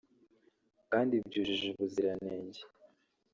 kandi byujuje ubuziranenge